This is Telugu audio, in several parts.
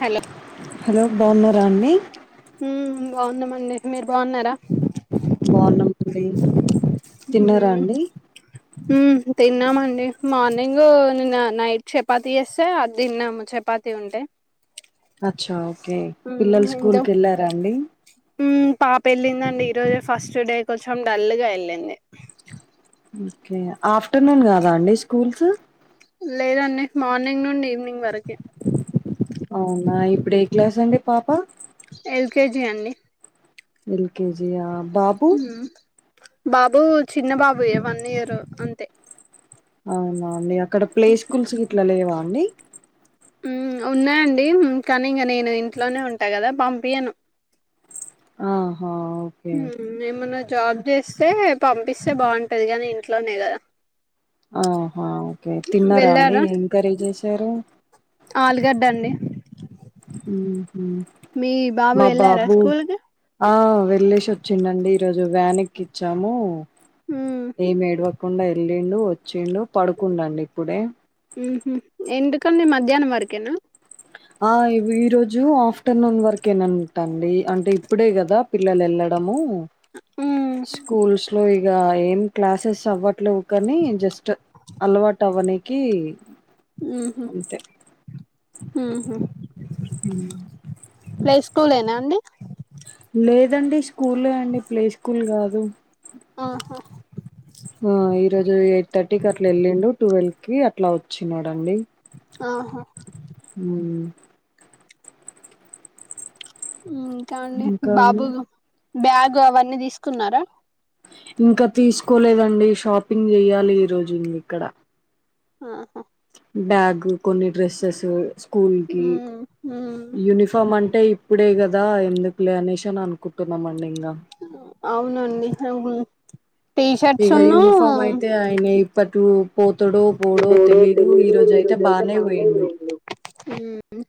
హలో హలో బావున్నారా అండి బావున్నామండి మీరు బావున్నారా బావున్నామండి తిన్నారా అండి ఉ తిన్నామండి మార్నింగ్ నిన్న నైట్ చపాతీ చేస్తే అది తిన్నాము చప్ పాతి ఉంటే అచ్చా ఓకే ఉమ్ పిల్లలు ఇంకా స్కూల్కి వెళ్ళారా అండి పాప వెళ్ళింది అండి ఈరోజే ఫస్ట్ డే కొంచెం డల్ గా వెళ్ళింది ఓకే ఆఫ్టర్నూన్ కాదా అండి స్కూల్స్ లేదండి మార్నింగ్ నుండి ఈవినింగ్ వరకే అవునా ఇప్పుడు ఏ క్లాస్ అండి పాప ఎల్కేజీ అండి ఎల్ కజియా బాబ్ ఉ బాబు చిన్న బాబు ఏ వన్ ఇయరు అంతే అవునా అండి అక్కడ ప్లే స్కూల్స్ ఇట్లా లేవా అండి ఆ ఉన్నాయండి కానీ ఇంక నేను ఇంట్లోనే ఉంటా కదా పంపీయ్యను ఆహా ఏమన్నా జాబ్ చేస్తే పంపిస్తే బాంటది కానీ ఇంట్లోనే కదా ఆహా ఓకే తిన్నారా అండి వెళ్ళారా ఎం కర్రీ చేసారు ఆల్ గడ్డ అండి ఊహు మీ బాబు మా వెళ్ళారా బాబూ స్కూల్ కి ఆ వెళ్ళేసి వచ్చిండండి ఈరోజు వ్యాన్ ఎక్కిచ్చాము మ్మ్ ఏం ఏడవకుండా ఎళ్ళిండు వచ్చిండు పడుకుండండి ఇప్పుడే ఊహు ఎందుకండీ మధ్యాహ్నం వరకేనా ఆ ఈ రోజు ఆఫ్టర్నూన్ వరకే నన్ టండి అంటే ఇప్పుడే కదా పిల్లల్ ఎల్లడము మ్మ్ స్కూల్స్ లో ఇగ ఏం క్లాసెస్ అవ్వట్లేవు కానీ జస్ట్ అలవాటవనీకి ఊహు ఊహు ఊ ప్లే స్కూల్ లేనా అండి లేదండి స్కూలే అండి ప్లే స్కూల్ కాదు ఆహా ఆ ఈరోజు ఎయిట్ థర్టీ కి అట్లా వెళ్ళిండు ట్వెల్వ్ కి అట్లా వచ్చినాడండి ఆహా ఊ ఊ ఇంకా అండి ఇంకా అండి బాబు బ్యాగు అవన్నీ తీసుకున్నారా ఇంకా తీసుకోలేదండి షాపింగ్ చెయ్యాలి ఈ రోజు ఇంగిక్కడ ఆహా బ్యాగు కొన్ని డ్రెస్సెస్ స్కూల్ కి మ్మ్ మ్మ్ యూనిఫామ్ అంటే ఇప్ ప్పుడే కదా ఎందుకులే అనేసి అని అనుకుంటున్నామండి ఇంగ అవునండి హ హు ఇగ యూనిఫామ్ అయితే ఆయనే ఇప్పటు పోతడో పోడో తెలీదు ఈ రోజైతే బానే పోయిండు ఊ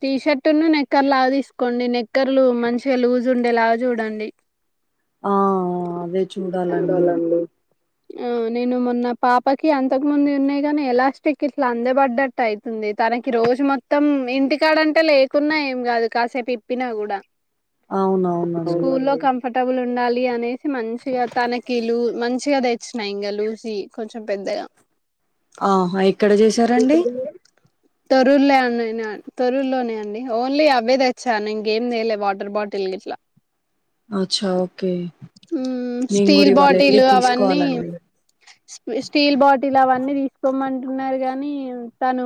టీ షర్ట్ ను నెక్కర్ లాగా తీసుకోండి నిక్కర్లు మంచిగా లూజ్ ఉండేలాగా చూడండి [inaudible] అదే చూడాలండి ఆ నేను మొన్న పాపకి అంత్ తకు ముందువి ఉన్నాయి కానీ ఎలాస్టిక్ ఇట్లా అందబడ్డట్టు అయితుంది తనకి రోజు మొత్తం ఇంటికాడంటే లే కున్నా ఏం కాదు కాసేపు ఇప్పినా కూడా అవునవునండి స్కూల్లో కమ్ ఫుర్టబుల్ ఉండాలి అనేసి మంచిగా తనకి లు మంచిగా తెచ్చినా ఇంకా లూసీ కొంచెం పెద్దగా ఆహా ఎక్కడ చేశారండి తొరూర్లే అని నా తొరూర్లోనే అండి ఓన్లీ అవే తెచ్చా నింకేం తేలే వాటర్ బాటిల్ టిల్ గిట్లా అచ్చా ఓకే ఊ నేను కూడా స్టీల్ ఇవాళ వెళ్ళి బాటిలు అవన్నీ తీసుకోవాలండి స్టీల్ బాటిల్ అవన్నీ తీసుకోమంటున్నారు గానీ తను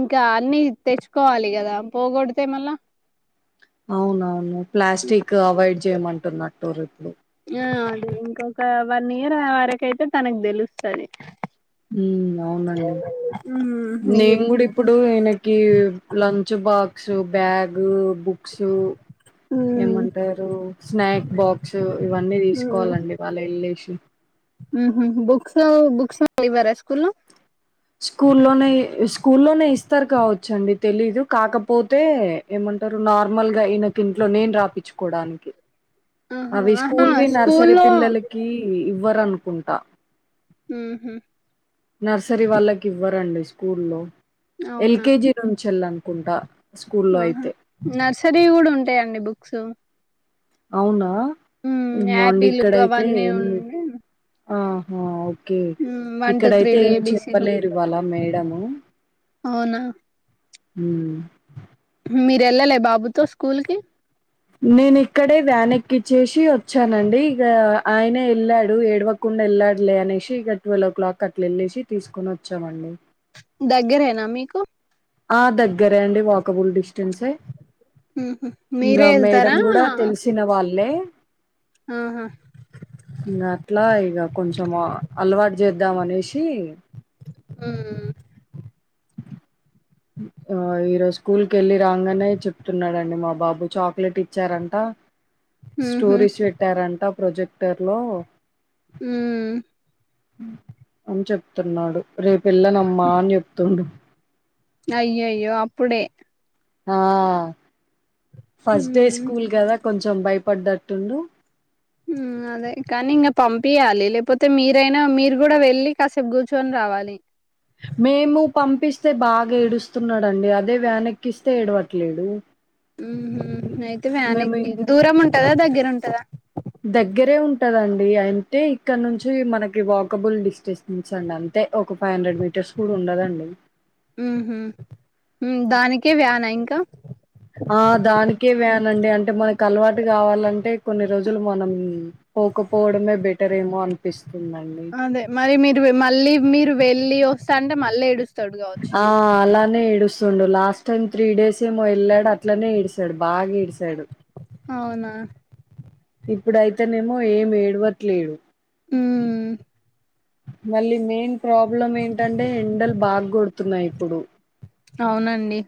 ఇంకా అన్ని తెచ్చుకోవాలి కదా పోగొడితే మళ్ళ అవునవును ప్లాస్టిక్ అవాయిడ్ చేయమంటున్నట్టు రీపుడు ఆ అదే ఇంకొక వన్ ఇయర్ వరకయితే తనక్ తెలుస్తాది ఊ అవునండి మ్మ్ నీకు నేన్ గుడిప్ ప్పుడు ఈయనకి లంచ్ బాక్సు బ్యాగు బు క్సు మ్మ్ ఏమంటారు స్నాక్ బాక్స్ ఇవన్నీ తీసుకోవాలండి వాళ్ ఎల్లేసి ఊహు హు బుక్స్ బుక్స్ ఇవ్వరా స్కూల్ లో స్కూల్లోనే స్కూల్లోనే ఇస్తారు కావచ్చ అండి తెలీదు కాకపోతే ఏమంటారు నార్మల్ గా ఈయనకి ఇంట్లో నేను రాపిచ్చుకోవడానికి ఆహా అవి ఆహా స్కూల్వి నర్సరీ స్కూల్లో పిల్లలకి ఇవ్వరనుకుంటా హు హామ్ నర్సరీ వాళ్ళకి ఇవ్వరండి స్కూల్లో అవునా ఎల్కేజీ నుంచి వెళ్ళనుకుంటా ఆహా నర్సరీ కూడా ఉంటాయండి బుక్స్ అవునా మ్మ్ మోన్న యాపిల్ ఇక్కడయితే అవన్నీ ఏమి ఉండి ఆహా కే వన్ టూ ఇక్కడయితే త్రీలు ఏం ఏబీసీలు చెప్పలేరు ఇవాళ మేడము అవునా ఉం మీరు వెళ్ళలే బాబుతో స్కూల్ కి నేను ఇక్కడే వ్యాన్ ఎకిచ్చేసి వచ్చానండి ఇగా ఆయనే వెళ్ళాడు ఏడవ కుండా వెళ్లడలే అనేసి ఇక ట్వెల్వ్ ఓ క్లాక్ అట్లా వెళ్లేేసి తీసుకని వచ్చామండి దగ్గరేనా మీకు ఆ దగ్గరే అండి వాకబుల్ డిస్ ఉహు ఇంగా మీరే వెళ్తారా మేడం కూడా తెలిసిన వాళ్ళే ఆహా ఇంగా అట్లా ఇగా కొంచం అలవాటు చేద్దాం అనేసి ఉం ఆ ఈరోజు స్కూల్ కి వెళ్ళి రాగానే చెప్తున్నాడండి మా బాబు చాక్లెట్ ఇచ్చారంట ఉహు స్టోరీస్ పెట్టారంట ప్రొజెక్టర్ లో ఉం అని చెప్తున్నాడు రేపూ ఎల్లనమ్మా అని చెప్తుండు అయ్యోయ్యో అప్పుడే ఆ ఫస్ట్ డే ఉమ్ స్కూల్ కదా కొంచెం భయపడ్డట్టుండు ఉం అదే కానీ ఇంకా పంపియాలి లేకపోతే మీరైనా మీరు కూడా వెళ్ళి కాసేపు కూర్చుని రావాలి మేము పంపిస్తే బాగా ఏడుస్తున్నాడుండి అదే వ్యాన్ ఎక్కిస్తే ఏడవట్లేడు హు హామ్ అయితే వ్యానక్ మేము ఇం దూరం ఉంటదా దగ్గర ఉంటదా దగ్గరే ఉంటదండి అంటే ఇక్కడ నుంచి మనకి వాకబుల్ డిస్టెన్స్ ఉంచండి అంతే ఒక ఫైవ్ హండ్రెడ్ మీటర్స్ కూడా ఉండదండి హు హామ్ దానికే వ్యాన ఇంకా ఆ దానికే వ్యానండి అంటే మనకు అలవాటు కావాలంటే కొన్ని రోజులు మనం పోకపోవడమే బెటర్ ఏమో అనిపిస్తుందండి అదే మరి మీరు మళ్ళీ మీరు వెళ్ళి వస్తా అంటే మళ్ళీ ఏడుస్తాడు కావచ్చు ఆ అలానే ఏడుస్థున్డు లాస్ట్ టైమ్ త్రీ డేస్ ఏమో వెళ్ళాడు అట్లనే ఏడిశాడు బాగా ఏడిశాడు అవునా ఇప్పుడైతేనేమో ఏం ఏడవట్లేదు ఉం మళ్ళీ మెయిన్ ప్రాబ్లం ఏంటంటే ఎండలు బాగ కొడుతున్నాయి ఇప్పుడు అవునండి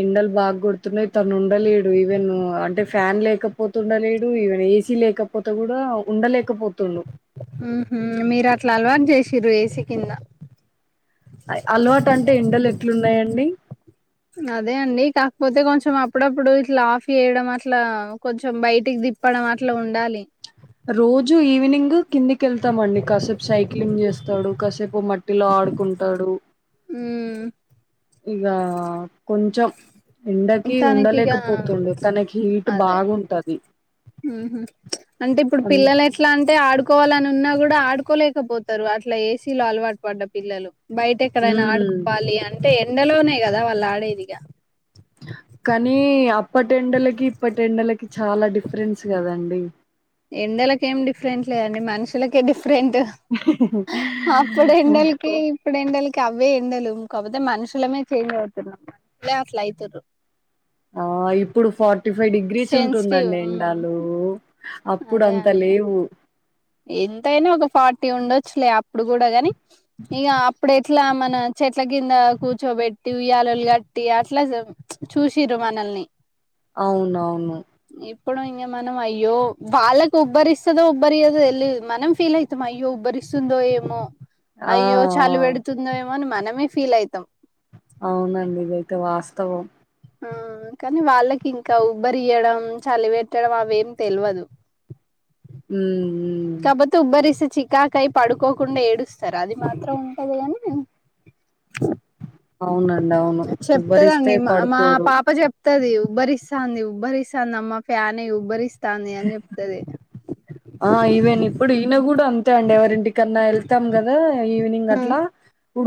ఎండలు బాగా కొడుతున్నాయి తను ఉండలేడు ఈవెన్ అంటే ఫ్యాన్ లేకపోతు ఉండలేడు ఈవెన్ ఏసీ లేకపో పోతే కూడా ఉండలేకపోతుండు హు హామ్ మీరు అట్లా అలవాటు చేసిర ఏసి కింద అలవాటు అంటే ఎండలు ఎట్లున్నాయండి అదే అండి కాకపోతే కొంచెం అప్పుడప్పుడు ఇట్లా ఆఫ్ చేయడం అట్లా కొంచెం బయటికి ది తిప్పడం అట్లా ఉండాలి రోజూ ఈవినింగు కిందికెళ్తామండి కాసేపు సైక్లింగ్ జేస్తాడు కాసేపు మట్టిలో ఆడుకుంటాడు ఉమ్ ఇగా కొంచం ఎండకీ తనకిగా ఉండలేకపోతుండు తనక్ హీట్ బాగుంటది హూ హు అంటే ఇప్పుడు అందు పిల్లలేట్ అట్లా అంటే ఆడుకోవాలనున్నా గూడా ఆడుకోలేకపోతరు అట్లా ఏసీ లో అల్వాట్ పడ్డ పిల్లలు బైటెక్కడైనా మ్మ్ ఆడుకోవాలి అంటే ఎండలోనే గదా వాళ్ళాడేదిగా కానీ అప్పటెండలకి ఇప్పటెండలకి చాలా డిఫరెన్స్ గదండి ఎండలకేం డిఫ్రెంట్ లేదండి మనుషులకే డిఫ్రెంటు అప్పుడెండల్ కీప్ ఇప్పుడెండల్ అవ్వే ఎండలు కాక్పోతే మనుషులమే చేంజ్ అవుతున్నాం మనుషులే అట్ల అయ్తుర్రు ఆ ఇప్పుడు ఫార్టీ ఫైవ్ డిగ్రీస్ సెన్సిటివ్ ఉంటుందండెండలూ అదే అప్పుడంత అండి లేవూ ఎంతైనా ఒక ఫార్టీ ఉండొచ్చులే అప్పుడు గూడ గానీ ఇగా అప్పుడెట్లా మన చెట్ల కిందా కూర్చోబెట్టి ఉయ్యాలల్ గట్టీ అట్లా ప్చ్ చూసిర్రు మనల్ని ఔనవ్ను ఇప్పుడు ఇంగ మనం అయ్యో వాళ్ళక్ ఉబ్బరిస్తదో ఉబ్బరియ్యదో ఎల్ లీదు మనం ఫీల్ అయితం అయ్యో ఉబ్బరిస్తుందో ఏమో ఆ అయ్యో చాలు పెడు స్తుదేమో అని మనమే ఫీల్ అవుతాం ఔనండి ఇదైతే వాస్తవం ఆ కానీ వాళ్ళకింక ఉబ్బరియ్యడం చలిబెట్టడం అవేం తెల్వదు హ్మ్ కాక్బోతే ఉబ్బరిస్తే చికాకయ్ పడుకోకుండా ఏడుస్తార్ అది మాత్రం ఉంటది గానీ ఔనండవును ఉబరిస్తే చెప్తదండి మా మా పడుకోరు పాప చెప్తది ఉబ్బరిస్తాంది ఉబ్బరిస్తాందమ్మ ఫ్యాన్ ఎయ్ ఉబ్బరిస్తాంది అన్జెప్తది ఆ ఈవెన్ ఇప్పుడ్ ఈన గుడంత్ తే అండి ఎవరింటికన్నా ఎళ్తం గదా ఈవినింగ్ మ్ అట్లా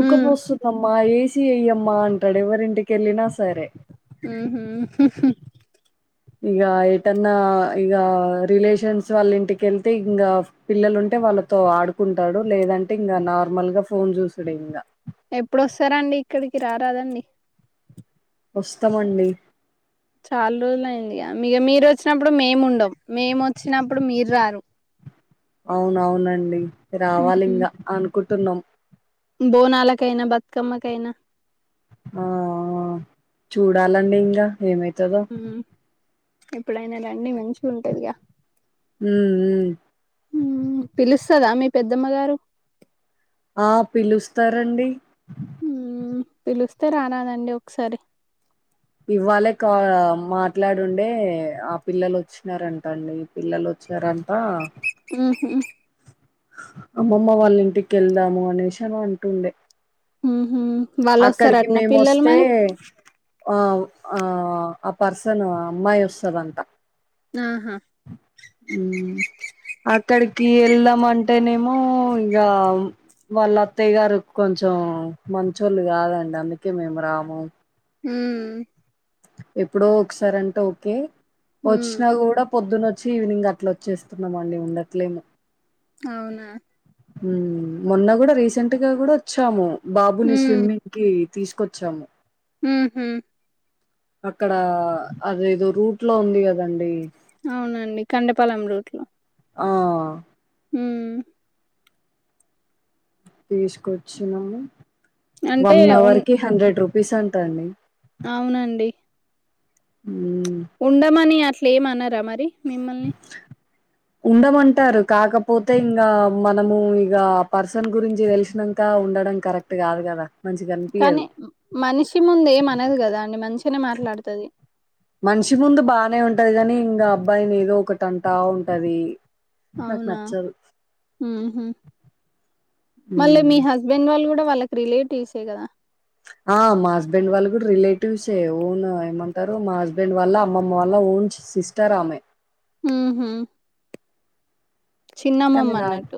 మ్ దమ్మా ఏసీ ఎయ్యమ్మా అంటాడ్ ఎవరింటికెళ్ళినా సరే ఊఁ హుమ్ హు హు ఇగా ఎటన్నా ఇగా రిలేషన్స్ వాళ్లింటికెళ్తే ఇంగా పిల్లలుంటే వాళ్ళతో ఆడుకుంటాడు లేదంటే ఇంగ నార్మల్ గా ఫోన్ జూసుడే ఇంగ ఎప్పుడొస్తారండి ఇక్కడికి రారాదండి వస్తమండీ చాల్ రోజులైందిగా ఇగ మీరొచ్చినప్పుడు మేం ఉండం మేమొచ్చినప్పుడు మీర్రారు ఔనవునండీ రావాలింగా అనుకుంటున్నం బోనాలకైన బతుకమ్మ కైన ఆఁ ఆఁ చూడాలండి ఇంగ ఏమైతదో ఉమ్ ఎప్పుడైన రండి మంచిగుంటదిగా ఉమ్ హ్మ్ హుమ్ పిలుస్తదా మీ పెద్దమ్మ గారు ఆ పిలుస్తారండీ హుమ్ పిలుస్తే రారాదండి ఒక్సారి ఇవాళే కా మాట్లాడుండే ఆ పిల్లలొచ్చినారంటండి పిల్లలు వచ్చారంట ఉహు అమ్మమ్మ వాళ్ళ ఇంటికి వెళ్దాము అనేసి ఏమో అంటుంది వాళ్ళు అక్కడికి వస్తారటనా పిల్లలు మేముస్తే మరి ఆ ఆ ఆ పర్సన్ అమ్మాయి వస్తది అంట ఆహా ఉ అక్కడికి వెళ్దాం అంటేనేమో ఇగ వాళ్ళ అత్తయ్య గారు కొంచెం మంచోళ్ళు కాదండి అందుకే మేము రాము ఉ ఎప్పుడో ఒకసారి అంటే ఓకే వచ్చినా కూడా పొద్దున్న వచ్చి ఈవినింగ్ అట్లా వచ్చేస్తున్నామండి ఉండట్లేము అవునా ఉ మొన్న కూడా రీసెంట్ గా కూడా వచ్చాము బాబుని స్విమ్మింగ్ కి తీసుకొచ్చాము ఉ హు అక్కడ అదేదో రూట్ లో ఉంది కదండి అవునండి కండపాలెం రూట్ లో ఆ ఉ తీసుకొచ్చినాము అంటే వన్ అవర్ కి హండ్రెడ్ రూపీస్ అంటాండి అవునండి ఉ ఉండమని అట్ల ఏమన్నారా మరి మిమ్మల్ని ఉండమంటారు కాకపోతే ఇంకా మనము ఇక పర్సన్ గురించి వెలిసినక ఇంకా ఉండడం కరెక్ట్ కాదు కదా కానీ మనిషి ముందు ఏమనది కదా అండి మంచినే మాట్లాడుతది మనిషి ముందు బానే ఉంటది కాగాని ఇంకా అబ్బాయిని ఏదో ఒకటీ ఉంట ఉంటది నాకు అవునా నచ్చదు ఊహు మల్ల మీ హ్మ్ హస్బెండ్ బెన్ వాళ్ళు కూడా వాళ్ళకి రిలేటివ్సే కదా ఆ మా హస్బెండ్ వాళ్ళు కూడా రిలేటివ్సే ఓన్ ఏమంటారు మా హస్బెండ్ వాళ్ళ అమ్మమ్మ వాల్ల ఓన్ సిస్టర్ ఆమె ఉ హు కానీ నాకు అన్నట్టు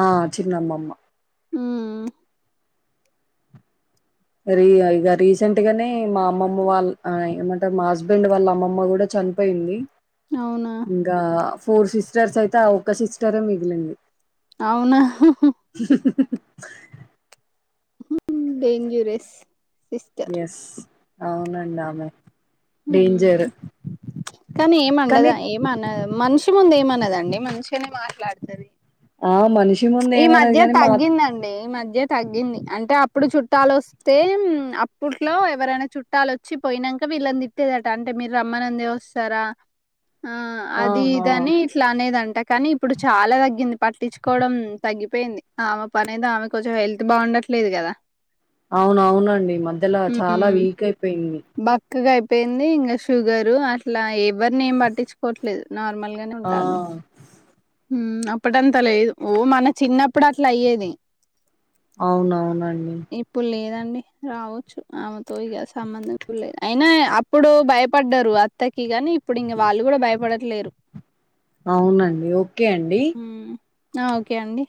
ఆ చిన్నమ్మమ్మ ఉ రీ ఇక రీసెంట్ గానే మా అమ్మమ్మ వాళ్ ఏమంటే మా హస్బెండ్ వాళ్ళ అమ్మమ్మ కూడా చని పోయింది అవునా ఇంకా ఫోర్ సిస్టర్స్ అయితే ఆ ఒక్క సిస్టరే మిగిలిండి అవునా ఉ ఊ డేంజురెస్ ఎస్ అవునండి ఆమె ఉ హు డేంజర్ కానీ ఏం కానీ వండదా ఏం మన మనిషి ముందు ఏమనదండి మంచిగానే మాట్లాడతాది ఆ మనిషి ము ఈ మధ్య తగ్గిందండి ఈ మధ్య తగ్గింది అంటే అప్పుడు చుట్టాలు వస్తే అప్పట్లో ఎవరైనా చుట్టాలు వచ్చి పోయినాక వీళ్ళంది తిట్టేదట అంటే మీరు రమ్మనిందే వస్తారా ఆ అది ఆహా ఇద అని ఇట్లా అనేదంట కానీ ఇప్పుడు చాలా తగ్గింది పట్టించుకోవడం తగ్గిపోయింది ఆమె పని ఏదో ఆమె కొంచెం హెల్త్ బాగుండట్లేదు కదా అవున అవునండి మధ్యలో చాలా హ్మ్. వీక్ అయిపోయింది బక్కగా అయిపోయింది ఇంకా షుగరు అట్లా ఎవరిని ఏం పట్టించుకోవట్లేదు నార్మల్ గని ఆ ఉంటాంది అప్పుడుఅంతా లేదు ఓ మన చిన్నప్పుడు అట్లా అయ్యేది అవునవునండి ఇప్పుడు లేదండి రావచ్చు ఆమెతో ఇక సంబంధం ఇప్పుడు లేదు అయినా అప్పుడు భయపడ్డారు అంతకి కాని ఇప్పుడు ఇంకా వాళ్ళు కూడా భయపడట్లేరు అవునండి ఓకే అండి ఉమ్ ఆ ఓకే అండి